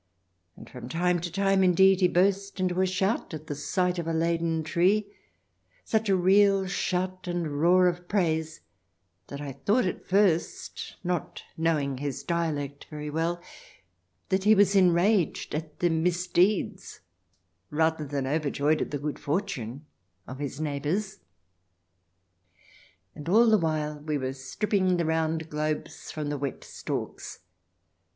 And from time to time, indeed, he burst into a shout at sight of a laden tree — such a real shout and roar of praise that I thought at first, not knowing his dialect very well, that he was enraged at the misdeeds rather than overjoyed at the good fortune of his neighbours. ... And all the while we were strip ping the round globes from the wet stalks.